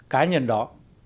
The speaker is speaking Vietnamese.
cá nhân đó